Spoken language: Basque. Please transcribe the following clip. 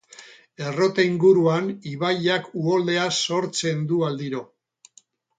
Errota inguruan ibaiak uholdea sortzen du aldiro.